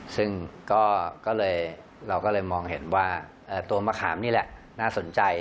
ซึ่งเราก็เลยมองเห็นว่าตัวมะคามนี่แหละน่าสนใจ